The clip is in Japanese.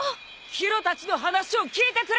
宙たちの話を聞いてくれ！